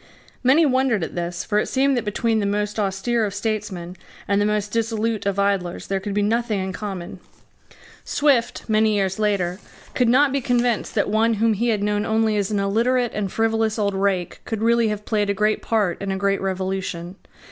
Many wondered at this: for it seemed that between the most austere of statesmen and the most dissolute of idlers there could be nothing in common. Swift, many years later, could not be convinced that one whom he had known only as an illiterate and frivolous old rake could really have played a great part in a great revolution.